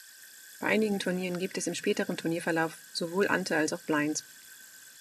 Bei einigen Turnieren gibt es im späteren Turnierverlauf sowohl Ante als auch Blinds.